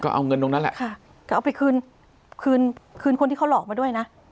เอาเงินตรงนั้นแหละค่ะก็เอาไปคืนคืนคนที่เขาหลอกมาด้วยนะ